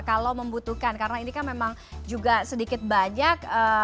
kalau membutuhkan karena ini kan memang juga sedikit banyak